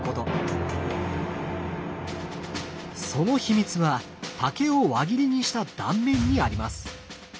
その秘密は竹を輪切りにした断面にあります。